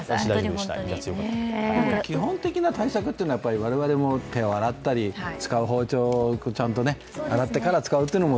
基本的な対策というのは我々も手を洗ったり使う包丁をちゃんと洗ってから使うっていうのが